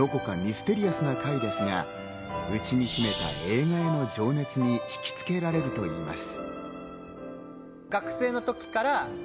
普段は口数が少なく、どこかミステリアスな海ですが、うちに秘めた映画への情熱に引きつけられるといいます。